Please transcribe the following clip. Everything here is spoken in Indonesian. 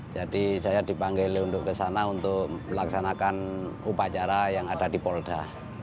jadi saya dipanggil untuk ke sana untuk melaksanakan upacara yang ada di polda